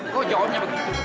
kok jawabnya begitu